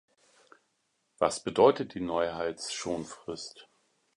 Was bedeutet die Neuheitsschonfrist?